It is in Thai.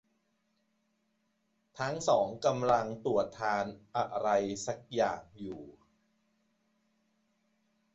ทั้งสองกำลังตรวจทานอะไรสักอย่างยู่